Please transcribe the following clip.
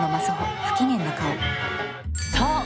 そう。